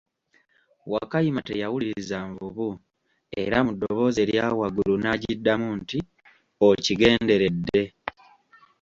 Wakayima teyawuliriza nvubu, era mu ddoboozi erya waggulu naagiddamu nti, okigenderedde!